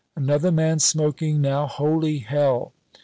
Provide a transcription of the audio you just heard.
Another man smoking now! Holy hell!"